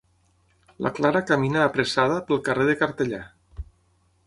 La Clara camina apressada pel carrer de Cartellà.